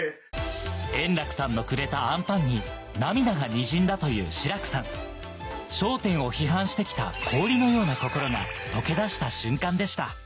円楽さんのくれたあんパンに涙がにじんだという志らくさん『笑点』を批判して来た氷のような心が解けだした瞬間でした